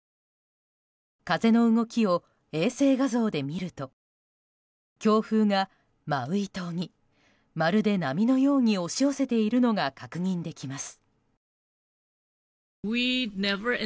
風の動きを衛星画像で見ると強風がマウイ島にまるで波のように押し寄せているのが確認できます。